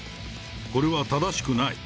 これは正しくない。